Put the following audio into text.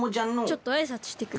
ちょっとあいさつしてくる。